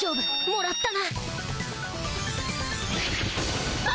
もらった！